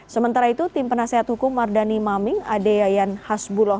sementara itu tim penasehat hukum mardani maming ade yayan hasbuloh